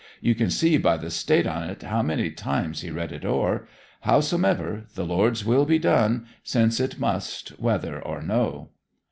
You can see by the state o't how many times he read it over. Howsomever, the Lord's will be done, since it must, whether or no.'